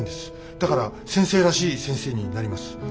だから先生らしい先生になります。